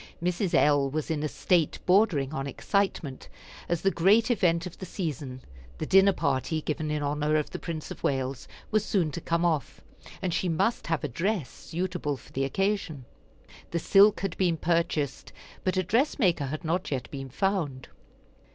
Mrs. L. was in a state bordering on excitement, as the great event of the season, the dinner party given in honor of the Prince of Wales, was soon to come off, and she must have a dress suitable for the occasion. The silk had been purchased, but a dress maker had not yet been found.